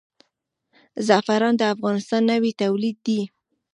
زعفران د افغانستان نوی تولید دی.